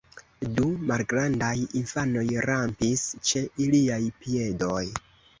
Du malgrandaj infanoj rampis ĉe iliaj piedoj.